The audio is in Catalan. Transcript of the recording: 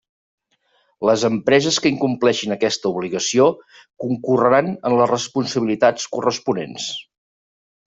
Les empreses que incompleixin aquesta obligació concorreran en les responsabilitats corresponents.